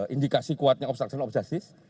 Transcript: indikasi kuatnya obstruction of justice